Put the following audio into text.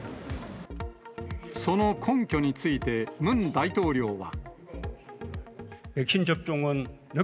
その根拠について、ムン大統領は。